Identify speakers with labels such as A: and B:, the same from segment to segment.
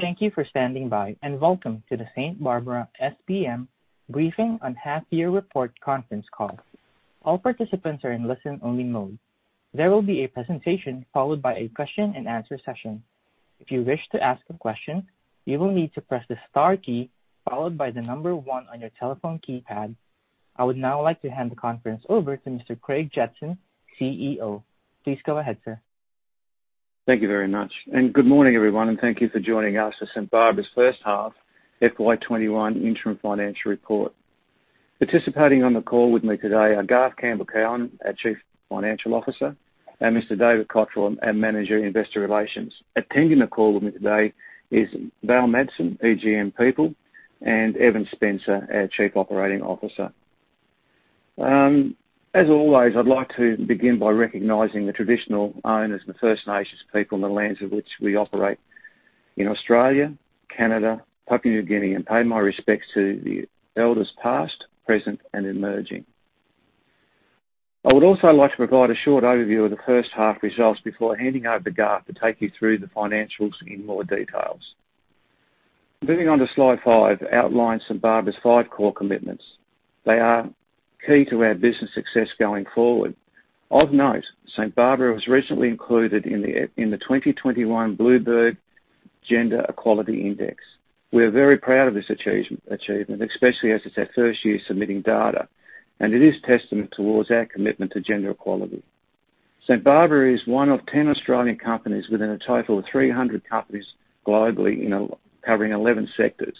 A: Thank you for standing by, and welcome to the St Barbara SBM briefing on half year report conference call. All participants are on only listening mode. There will be a presentation followed by question and answer session. If you wish to ask a question, you will need to press star key followed by the number one on your telephone keypad. I would now like to hand the conference over to Mr. Craig Jetson, CEO. Please go ahead, sir.
B: Thank you very much. Good morning, everyone, and thank you for joining us for St Barbara's first half FY 2021 interim financial report. Participating on the call with me today are Garth Campbell-Cowan, our Chief Financial Officer, and Mr. David Cotterell, our Manager, Investor Relations. Attending the call with me today is Val Madsen, EGM People, and Evan Spencer, our Chief Operating Officer. As always, I'd like to begin by recognizing the traditional owners and the First Nations people in the lands of which we operate in Australia, Canada, Papua New Guinea, and pay my respects to the elders, past, present, and emerging. I would also like to provide a short overview of the first half results before handing over to Garth Campbell-Cowan to take you through the financials in more details. Moving on to slide five, outlines St Barbara's five core commitments. They are key to our business success going forward. Of note, St Barbara was recently included in the 2021 Bloomberg Gender-Equality Index. We're very proud of this achievement, especially as it's our first year submitting data, and it is testament towards our commitment to gender equality. St Barbara is one of 10 Australian companies within a total of 300 companies globally covering 11 sectors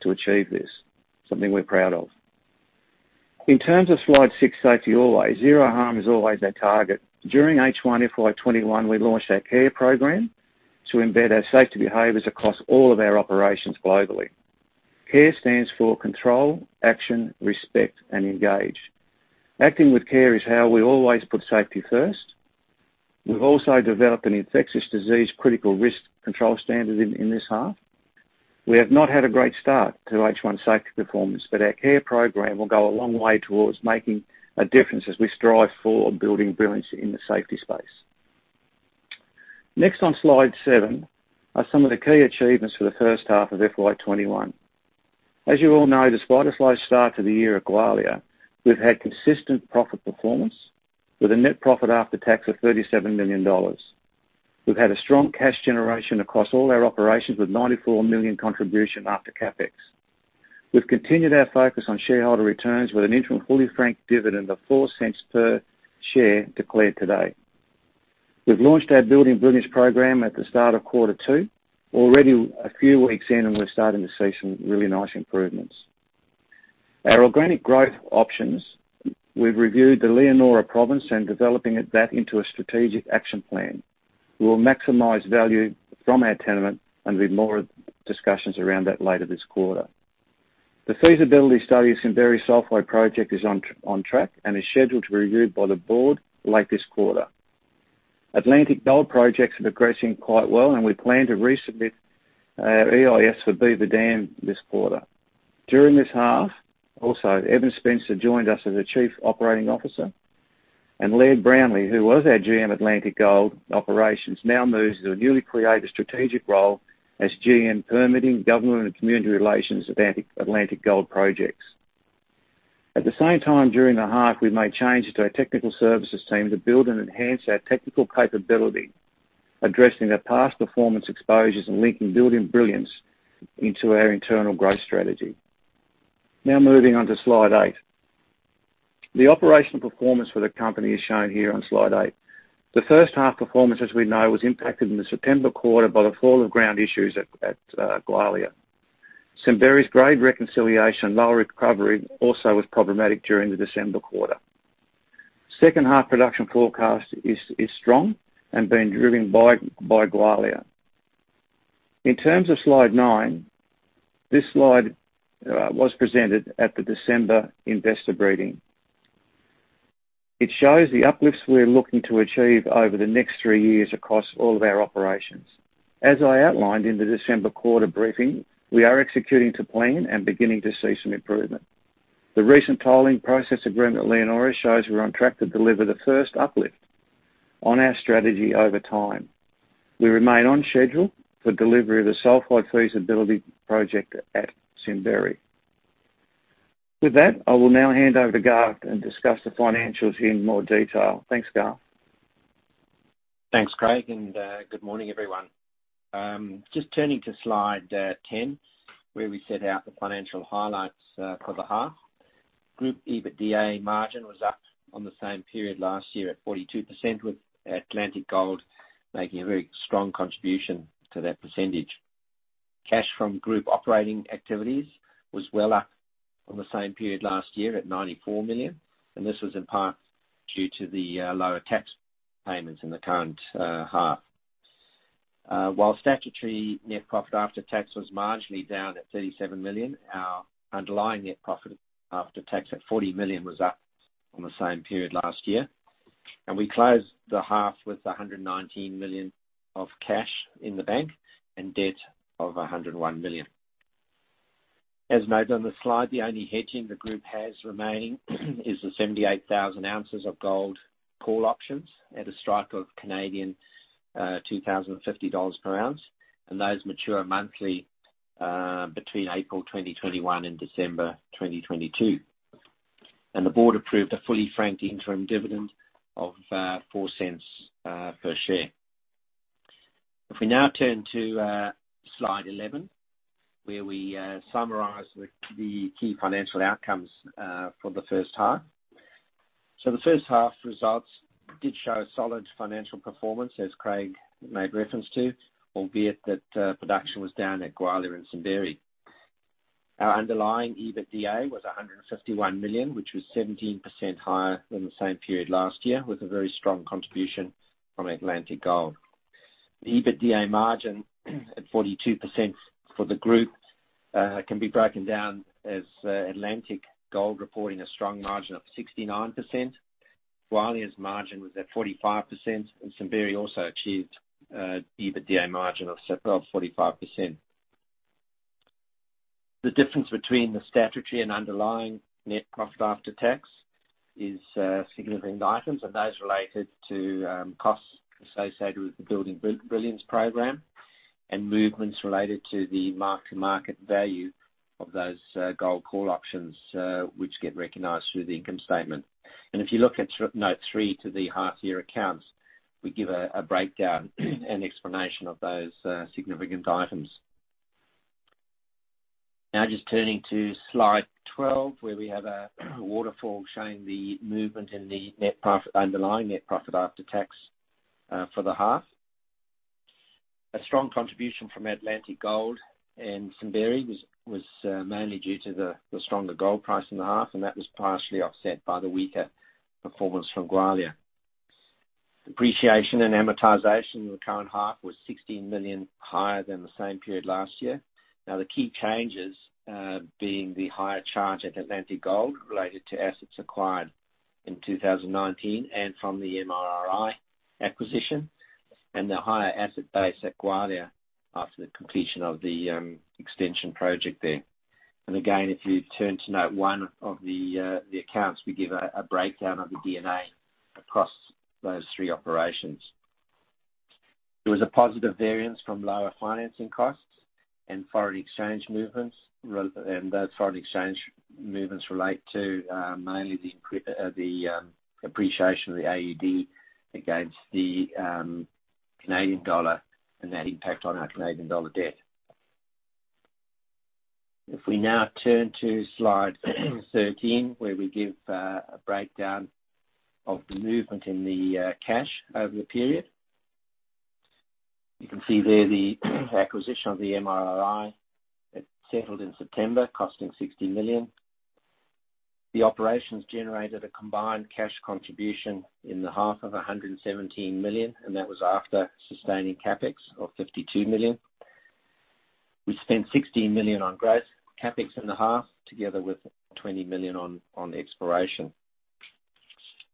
B: to achieve this, something we're proud of. In terms of slide six, safety always. Zero harm is always our target. During H1 FY 2021, we launched our CARE program to embed our safety behaviors across all of our operations globally. CARE stands for Control, Action, Respect, and Engage. Acting with CARE is how we always put safety first. We've also developed an infectious disease critical risk control standard in this half. We have not had a great start to H1 safety performance, but our CARE program will go a long way towards making a difference as we strive for Building Brilliance in the safety space. Next on slide seven are some of the key achievements for the first half of FY 2021. As you all know, despite a slow start to the year at Gwalia, we've had consistent profit performance with a net profit after tax of 37 million dollars. We've had a strong cash generation across all our operations with 94 million contribution after CapEx. We've continued our focus on shareholder returns with an interim fully franked dividend of 0.04 per share declared today. We've launched our Building Brilliance program at the start of quarter two. We're already a few weeks in, we're starting to see some really nice improvements. Our organic growth options, we've reviewed the Leonora province and developing that into a strategic action plan. We will maximize value from our tenement and with more discussions around that later this quarter. The feasibility studies in various sulfide project is on track and is scheduled to be reviewed by the board late this quarter. Atlantic Gold projects are progressing quite well, and we plan to resubmit our EIS for Beaver Dam this quarter. During this half, also, Evan Spencer joined us as the Chief Operating Officer, and Laird Brownlie, who was our GM Atlantic Gold Operations, now moves to a newly created strategic role as GM Permitting, Government and Community Relations, Atlantic Gold Projects. At the same time, during the half, we've made changes to our technical services team to build and enhance our technical capability, addressing our past performance exposures and linking Building Brilliance into our internal growth strategy. Moving on to slide eight. The operational performance for the company is shown here on slide eight. The first half performance, as we know, was impacted in the September quarter by the fall of ground issues at Gwalia. Simberi's grade reconciliation, lower recovery also was problematic during the December quarter. Second half production forecast is strong and being driven by Gwalia. In terms of slide nine, this slide was presented at the December investor briefing. It shows the uplifts we're looking to achieve over the next three years across all of our operations. As I outlined in the December quarter briefing, we are executing to plan and beginning to see some improvement. The recent tolling process agreement at Leonora shows we're on track to deliver the first uplift on our strategy over time. We remain on schedule for delivery of the Sulfide Feasibility Study at Simberi. With that, I will now hand over to Garth Campbell-Cowan and discuss the financials in more detail. Thanks, Garth.
C: Thanks, Craig. Good morning, everyone. Just turning to slide 10, where we set out the financial highlights for the half. Group EBITDA margin was up on the same period last year at 42%, with Atlantic Gold making a very strong contribution to that percentage. Cash from group operating activities was well up on the same period last year at 94 million, and this was in part due to the lower tax payments in the current half. While statutory net profit after tax was marginally down at 37 million, our underlying net profit after tax at 40 million was up on the same period last year. We closed the half with 119 million of cash in the bank and debt of 101 million. As noted on the slide, the only hedging the group has remaining is the 78,000 ounces of gold call options at a strike of 2,050 Canadian dollars per ounce, and those mature monthly between April 2021 and December 2022. The board approved a fully franked interim dividend of 0.04 per share. If we now turn to slide 11, where we summarize the key financial outcomes for the first half. The first half results did show a solid financial performance, as Craig Jetson made reference to, albeit that production was down at Gwalia and Simberi. Our underlying EBITDA was 151 million, which was 17% higher than the same period last year, with a very strong contribution from Atlantic Gold. The EBITDA margin at 42% for the group can be broken down as Atlantic Gold reporting a strong margin of 69%, Gwalia's margin was at 45%, and Simberi also achieved EBITDA margin of 45%. The difference between the statutory and underlying net profit after tax is significant items, and those related to costs associated with the Building Brilliance program and movements related to the mark-to-market value of those gold call options, which get recognized through the income statement. If you look at note three to the half-year accounts, we give a breakdown and explanation of those significant items. Now just turning to slide 12, where we have a waterfall showing the movement in the underlying net profit after tax for the half. A strong contribution from Atlantic Gold and Simberi was mainly due to the stronger gold price in the half, and that was partially offset by the weaker performance from Gwalia. Depreciation and Amortization in the current half was 16 million higher than the same period last year. The key changes being the higher charge at Atlantic Gold related to assets acquired in 2019 and from the MRRI acquisition, and the higher asset base at Gwalia after the completion of the extension project there. Again, if you turn to note one of the accounts, we give a breakdown of the D&A across those three operations. There was a positive variance from lower financing costs and foreign exchange movements, and those foreign exchange movements relate to mainly the appreciation of the AUD against the Canadian dollar and that impact on our Canadian dollar debt. We now turn to slide 13, where we give a breakdown of the movement in the cash over the period. You can see there the acquisition of the Moose River Resources Incorporated. It settled in September, costing 60 million. The operations generated a combined cash contribution in the half of 117 million. That was after sustaining CapEx of 52 million. We spent 16 million on growth CapEx in the half, together with 20 million on exploration.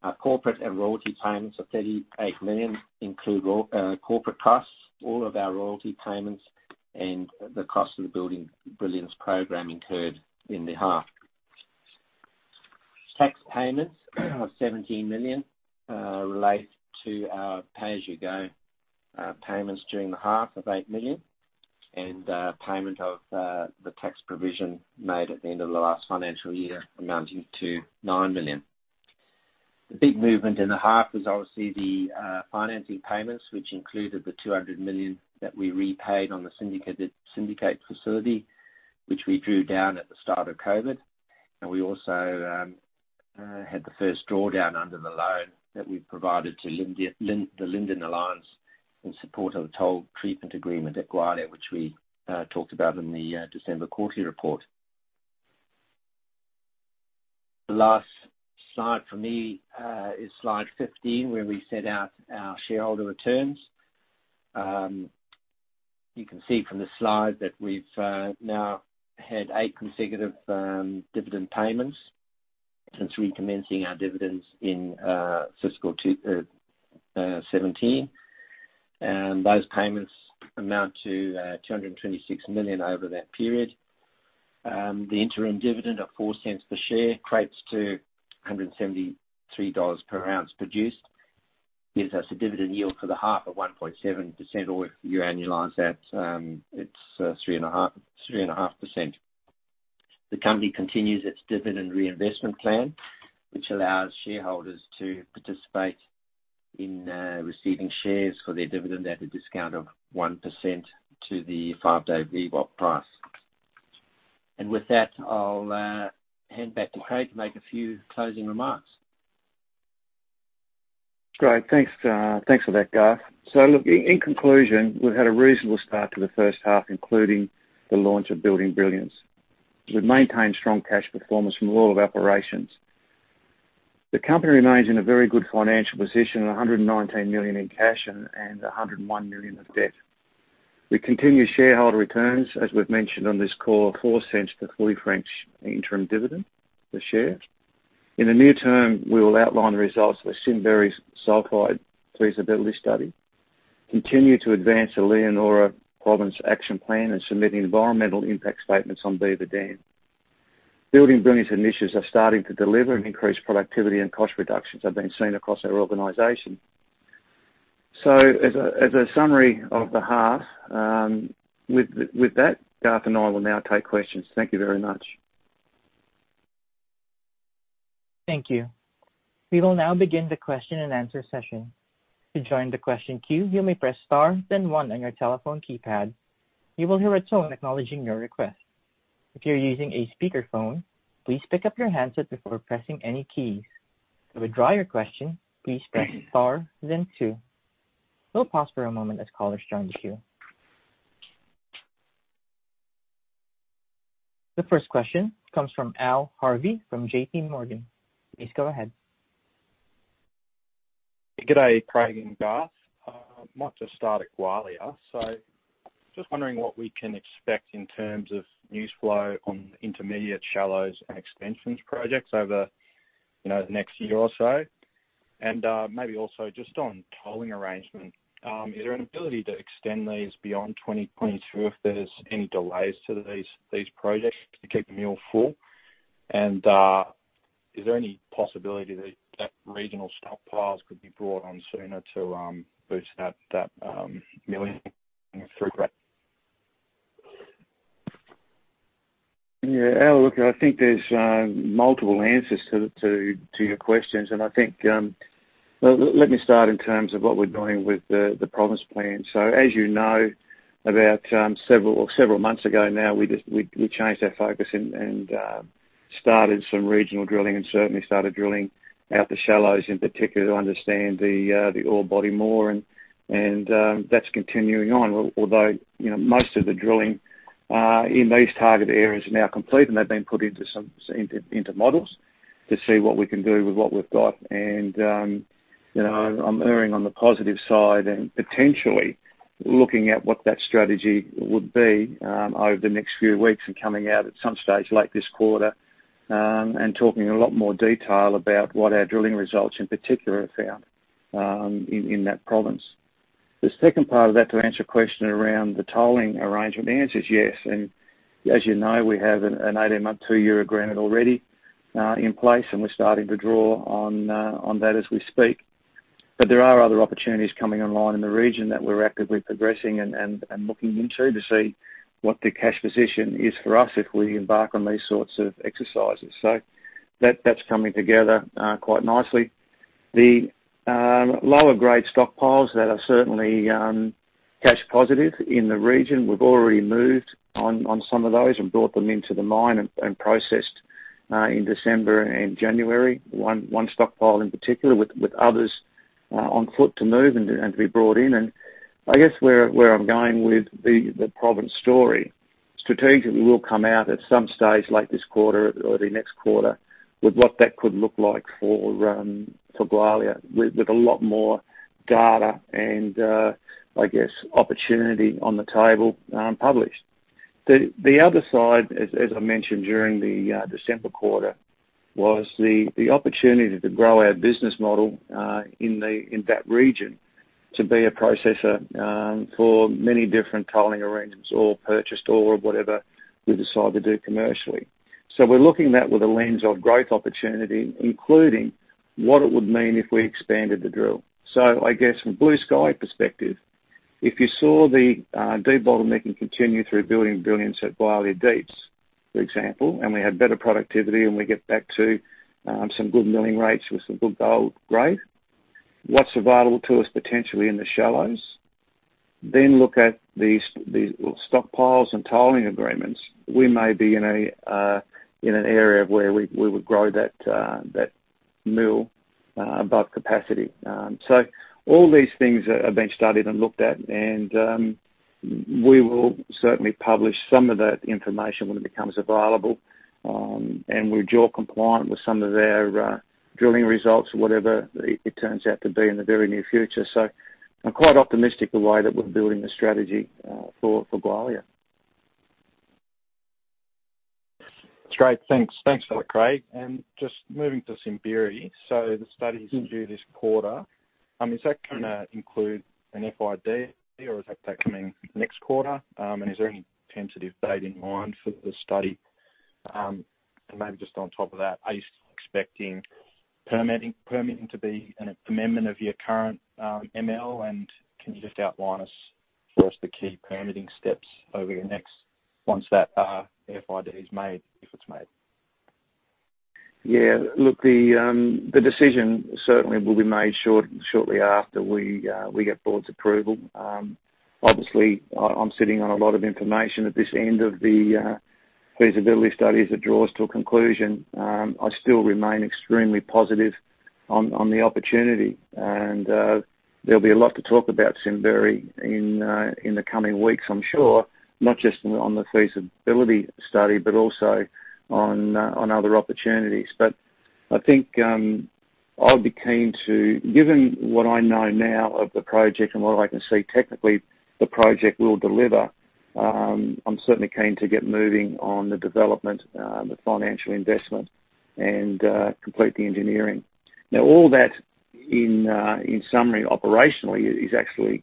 C: Our corporate and royalty payments of 38 million include corporate costs, all of our royalty payments, and the cost of the Building Brilliance program incurred in the half. Tax payments of 17 million relate to our pay-as-you-go payments during the half of 8 million, payment of the tax provision made at the end of the last financial year amounting to 9 million. The big movement in the half was obviously the financing payments, which included the 200 million that we repaid on the syndicated syndicate facility, which we drew down at the start of COVID-19. We also had the first drawdown under the loan that we provided to the Linden Gold Alliance in support of the toll treatment agreement at Gwalia, which we talked about in the December quarterly report. The last slide for me is slide 15, where we set out our shareholder returns. You can see from the slide that we've now had eight consecutive dividend payments since recommencing our dividends in fiscal 2017. Those payments amount to 226 million over that period. The interim dividend of 0.04 per share equates to AUD 173 per ounce produced, gives us a dividend yield for the half of 1.7%, or if you annualize that, it's 3.5%. The company continues its dividend reinvestment plan, which allows shareholders to participate in receiving shares for their dividend at a discount of 1% to the five-day VWAP price. With that, I'll hand back to Craig Jetson to make a few closing remarks.
B: Great. Thanks for that, Garth. Look, in conclusion, we've had a reasonable start to the first half, including the launch of Building Brilliance. We've maintained strong cash performance from all of operations. The company remains in a very good financial position, 119 million in cash and 101 million of debt. We continue shareholder returns, as we've mentioned on this call, 0.04 for fully franked interim dividend per share. In the near term, we will outline the results of the Simberi Sulfide Feasibility Study. Continue to advance the Leonora Province action plan and submit environmental impact statements on Beaver Dam. Building Brilliance initiatives are starting to deliver an increased productivity and cost reductions have been seen across our organization. As a summary of the half, with that, Garth Campbell-Cowan and I will now take questions. Thank you very much.
A: Thank you. We will now begin the question and answer session. To join the question queue, you may press star then one on your telephone keypad. You will hear a tone acknowledging your request. If you are using a speaker phone, please pick-up your handset before pressing any key. To withdraw you question, please press star then two. We'll pause for a moment as callers join the queue. The first question comes from Al Harvey from JPMorgan. Please go ahead.
D: Good day, Craig and Garth. I might just start at Gwalia. Just wondering what we can expect in terms of news flow on intermediate shallows and extensions projects over the next year or so? Maybe also just on tolling arrangement, is there an ability to extend these beyond 2022 if there's any delays to these projects to keep the mill full? Is there any possibility that regional stockpiles could be brought on sooner to boost that milling through that?
B: Al, look, I think there's multiple answers to your questions. Let me start in terms of what we're doing with the province plan. As you know, about several months ago now, we changed our focus and started some regional drilling and certainly started drilling out the shallows in particular to understand the ore body more, and that's continuing on. Although most of the drilling in these target areas are now complete, and they've been put into models to see what we can do with what we've got. I'm erring on the positive side and potentially looking at what that strategy would be over the next few weeks and coming out at some stage late this quarter and talking in a lot more detail about what our drilling results in particular have found in that province. The second part of that, to answer your question around the tolling arrangement, the answer is yes. As you know, we have an 18-month, two-year agreement already in place, and we're starting to draw on that as we speak. There are other opportunities coming online in the region that we're actively progressing and looking into to see what the cash position is for us if we embark on these sorts of exercises. That's coming together quite nicely. The lower grade stockpiles, that are certainly cash positive in the region, we've already moved on some of those and brought them into the mine and processed in December and January. One stockpile in particular with others on foot to move and to be brought in. I guess where I'm going with the province story, strategically, we'll come out at some stage late this quarter or the next quarter with what that could look like for Gwalia with a lot more data and, I guess, opportunity on the table published. The other side, as I mentioned during the December quarter, was the opportunity to grow our business model, in that region to be a processor for many different tolling arrangements or purchased or whatever we decide to do commercially. We're looking at that with a lens of growth opportunity, including what it would mean if we expanded the drill. I guess from a blue sky perspective, if you saw the de-bottlenecking continue through Building Brilliance at Gwalia Deep, for example, and we have better productivity and we get back to some good milling rates with some good gold grade, what's available to us potentially in the shallows? Look at these stockpiles and tolling agreements. We may be in an area where we would grow that mill above capacity. All these things are being studied and looked at, and we will certainly publish some of that information when it becomes available. We're JORC compliant with some of their drilling results or whatever it turns out to be in the very near future. I'm quite optimistic the way that we're building the strategy for Gwalia.
D: That's great. Thanks for that, Craig. Just moving to Simberi. The study's due this quarter. Is that going to include an FID or is that coming next quarter? Is there any tentative date in mind for the study? Maybe just on top of that, are you still expecting permitting to be an amendment of your current ML, and can you just outline for us the key permitting steps once that FID is made, if it's made?
B: Yeah. Look, the decision certainly will be made shortly after we get Board's approval. Obviously, I'm sitting on a lot of information at this end of the feasibility study as it draws to a conclusion. I still remain extremely positive on the opportunity and there'll be a lot to talk about Simberi in the coming weeks, I'm sure. Not just on the feasibility study but also on other opportunities. I think, I'll be keen to, given what I know now of the project and what I can see technically the project will deliver, I'm certainly keen to get moving on the development, the financial investment, and complete the engineering. All that in summary, operationally, is actually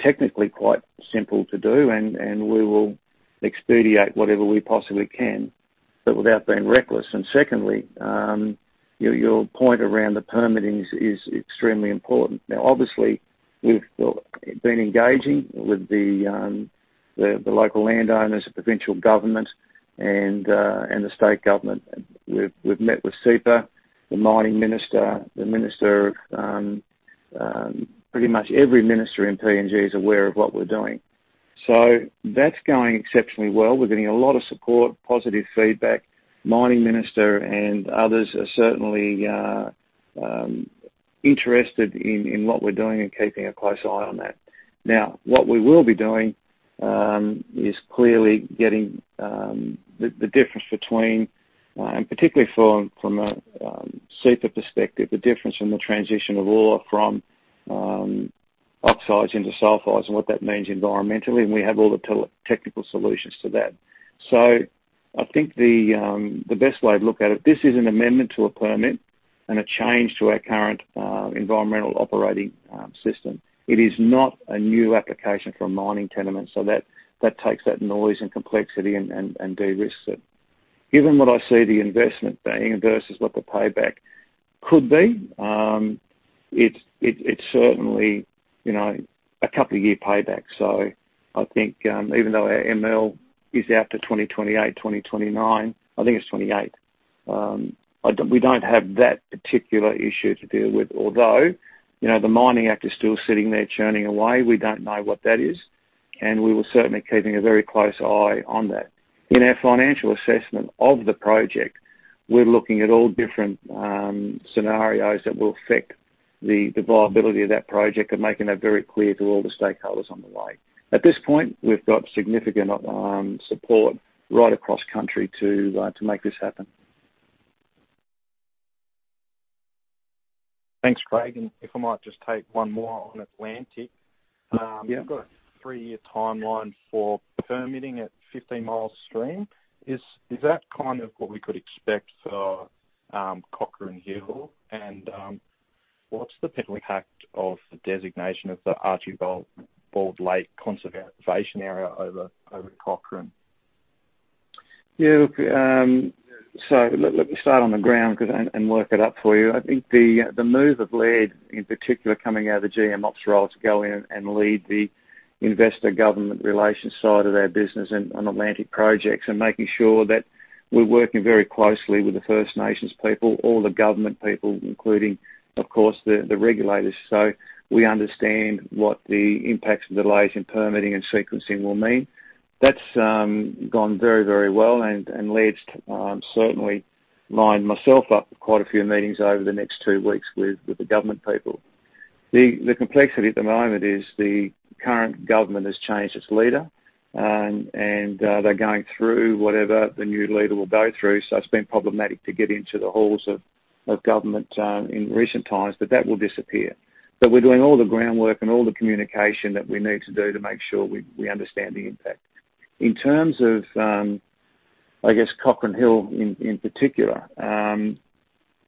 B: technically quite simple to do, and we will expedite whatever we possibly can, but without being reckless. Secondly, your point around the permitting is extremely important. Obviously, we've been engaging with the local landowners, the provincial government, and the state government. We've met with CEPA, the mining minister, the minister. Pretty much every minister in PNG is aware of what we're doing. That's going exceptionally well. We're getting a lot of support, positive feedback. Mining minister and others are certainly interested in what we're doing and keeping a close eye on that. What we will be doing is clearly getting the difference between, and particularly from a CEPA perspective, the difference in the transition of ore from oxides into sulfides and what that means environmentally, and we have all the technical solutions to that. I think the best way to look at it, this is an amendment to a permit and a change to our current environmental operating system. It is not a new application for a mining tenement, so that takes that noise and complexity and de-risks it. Given what I see the investment being versus what the payback could be, it's certainly a couple of year payback. I think, even though our ML is out to 2028, 2029, I think it's 2028, we don't have that particular issue to deal with. The Mining Act is still sitting there churning away. We don't know what that is, and we were certainly keeping a very close eye on that. In our financial assessment of the project, we're looking at all different scenarios that will affect the viability of that project and making that very clear to all the stakeholders on the way. At this point, we've got significant support right across country to make this happen.
D: Thanks, Craig, and if I might just take one more on Atlantic.
B: Yeah.
D: You've got a three-year timeline for permitting at 15 Mile Stream. Is that kind of what we could expect for Cochrane Hill? What's the potential impact of the designation of the Archibald Lake Wilderness Area over at Cochrane?
B: Yeah, look. Let me start on the ground and work it up for you. I think the move of Laird, in particular, coming out of the GM ops role to go in and lead the investor government relations side of our business on Atlantic Gold projects and making sure that we're working very closely with the First Nations people, all the government people, including, of course, the regulators, so we understand what the impacts of delays in permitting and sequencing will mean. That's gone very, very well, and Laird, certainly, lined myself up for quite a few meetings over the next two weeks with the government people. The complexity at the moment is the current government has changed its leader, and they're going through whatever the new leader will go through. It's been problematic to get into the halls of government in recent times, but that will disappear. We're doing all the groundwork and all the communication that we need to do to make sure we understand the impact. In terms of, I guess, Cochrane Hill in particular,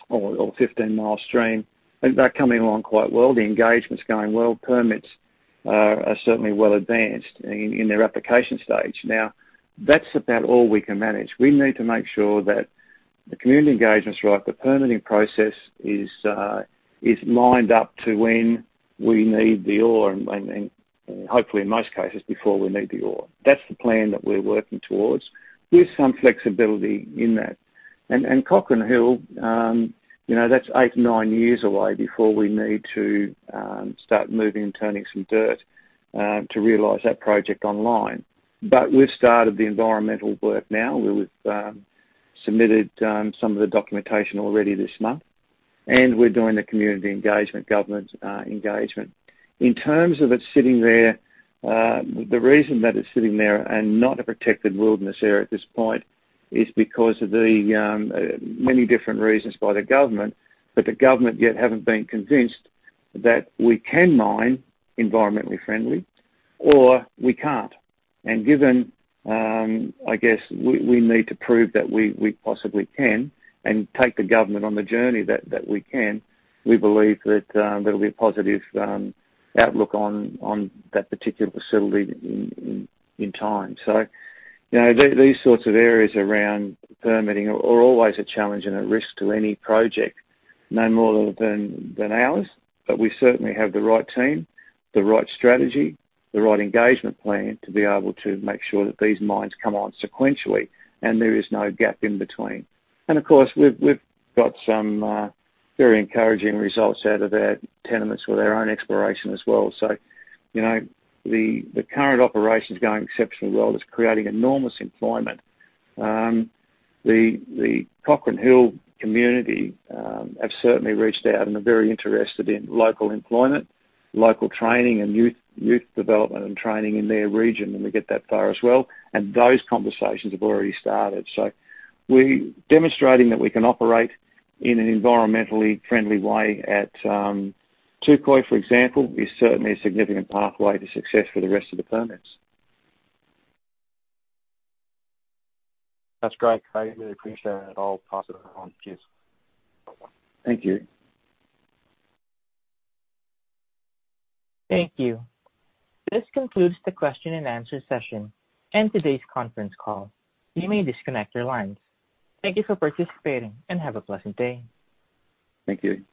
B: or 15 Mile Stream, they're coming along quite well. The engagement's going well. Permits are certainly well advanced in their application stage. Now, that's about all we can manage. We need to make sure that the community engagement's right, the permitting process is lined up to when we need the ore, and hopefully, in most cases, before we need the ore. That's the plan that we're working towards with some flexibility in that. Cochrane Hill, that's eight, nine years away before we need to start moving and turning some dirt to realize that project online. We've started the environmental work now. We've submitted some of the documentation already this month, and we're doing the community engagement, government engagement. In terms of it sitting there, the reason that it's sitting there and not a protected wilderness area at this point is because of the many different reasons by the government, but the government yet haven't been convinced that we can mine environmentally friendly or we can't. Given, I guess, we need to prove that we possibly can and take the government on the journey that we can, we believe that there'll be a positive outlook on that particular facility in time. These sorts of areas around permitting are always a challenge and a risk to any project. No more than ours, we certainly have the right team, the right strategy, the right engagement plan to be able to make sure that these mines come on sequentially and there is no gap in between. Of course, we've got some very encouraging results out of our tenements with our own exploration as well. The current operation's going exceptionally well. It's creating enormous employment. The Cochrane Hill community have certainly reached out and are very interested in local employment, local training, and youth development and training in their region when we get that far as well, and those conversations have already started. We're demonstrating that we can operate in an environmentally friendly way at Touquoy, for example, is certainly a significant pathway to success for the rest of the permits.
D: That's great, Craig. Really appreciate it. I'll pass that on. Cheers.
B: Thank you.
A: Thank you. This concludes the question and answer session and today's conference call. You may disconnect your lines. Thank you for participating, and have a pleasant day.
B: Thank you.